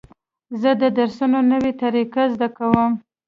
زه د درسونو نوې طریقې زده کوم.